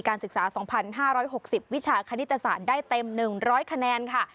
ศึกษา๒๕๖๐วิชาคณิตศาสตร์ได้เต็ม๑๐๐คะแนนค่ะ